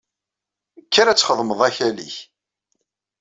Kker ad txedmeḍ akal-ik!